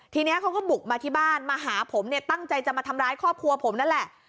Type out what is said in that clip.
ทีนี้เขาก็บุกมาที่บ้านมาหาผมเนี่ยตั้งใจจะมาทำร้ายครอบครัวผมนั่นแหละ